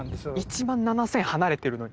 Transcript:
１万７０００離れてるのに？